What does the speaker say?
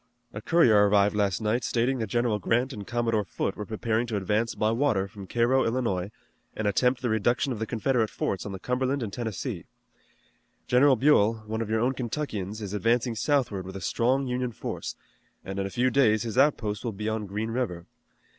A courier arrived last night stating that General Grant and Commodore Foote were preparing to advance by water from Cairo, Illinois, and attempt the reduction of the Confederate forts on the Cumberland and Tennessee. General Buell, one of your own Kentuckians, is advancing southward with a strong Union force, and in a few days his outposts will be on Green River.